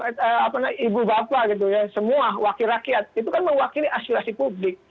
apa namanya ibu bapak gitu ya semua wakil rakiat itu kan mewakili aspirasi publik